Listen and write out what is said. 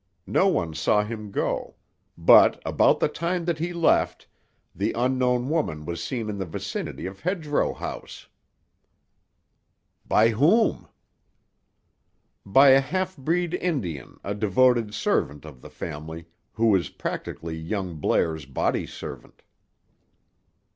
No one saw him go; but, about the time that he left, the unknown woman was seen in the vicinity of Hedgerow House." "By whom?" "By a half breed Indian, a devoted servant of the family, who was practically young Blair's body servant."